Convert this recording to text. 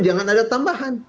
jangan ada tambahan